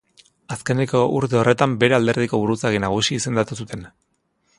Azkeneko urte horretan bere alderdiko buruzagi nagusi izendatu zuten.